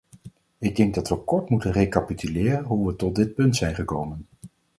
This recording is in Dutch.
Ik denk dat we kort moeten recapituleren hoe we tot dit punt zijn gekomen.